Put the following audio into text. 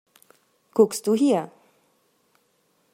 Guckst du hier!